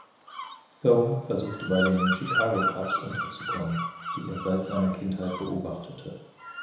Thome versuchte bei den Chicago Cubs unterzukommen, die er seit seiner Kindheit beobachtete.